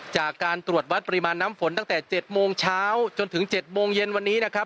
จากการตรวจวัดปริมาณน้ำฝนตั้งแต่๗โมงเช้าจนถึง๗โมงเย็นวันนี้นะครับ